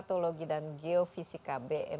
ekspedisi indonesia prima